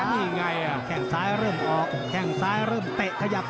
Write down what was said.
ติดตามยังน้อยกว่า